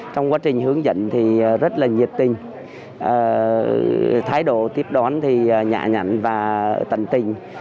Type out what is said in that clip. trong quá trình hướng dẫn thì rất là nhiệt tình thái độ tiếp đón thì nhã nhẳn và tận tình